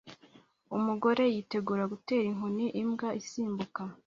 Umugore yitegura gutera inkoni imbwa isimbuka